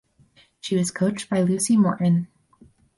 She was coached by Lucy Morton.